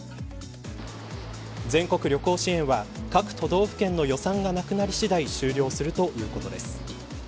全国旅行支援は各都道府県の予算がなくなり次第終了するということです。